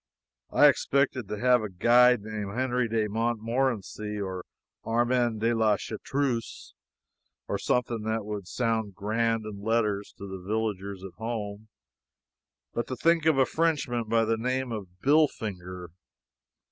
I expected to have a guide named Henri de Montmorency, or Armand de la Chartreuse, or something that would sound grand in letters to the villagers at home, but to think of a Frenchman by the name of Billfinger!